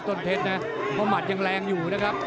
ต้นเพชรนะเพราะหมัดยังแรงอยู่นะครับ